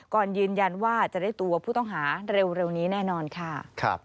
ก่อนยืนยันว่าจะได้ตัวผู้ต้องหาเร็วนี้แน่นอนค่ะ